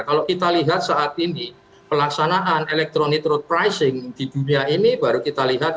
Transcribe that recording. kalau kita lihat saat ini pelaksanaan electronic road pricing di dunia ini baru kita lihat